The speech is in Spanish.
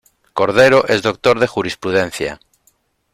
Cordero es doctor de Jurisprudencia.